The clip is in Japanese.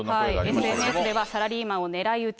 ＳＮＳではサラリーマンを狙い撃ち。